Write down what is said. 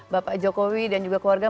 bapak jokowi dan juga keluarga